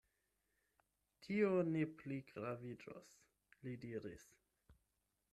Tio ne pligraviĝos, li diris.